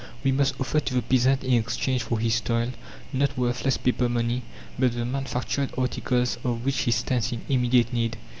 We must offer to the peasant in exchange for his toil not worthless paper money, but the manufactured articles of which he stands in immediate need.